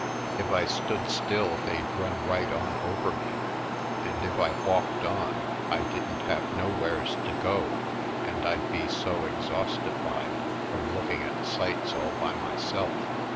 If I stood still they'd run right on over me and if I walked on I didn't have nowheres to go and I'd be so exhausti fied from looking at sights all by myself 142